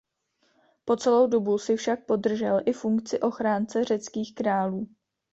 Po celou dobu si však podržel i funkci ochránce řeckých králů.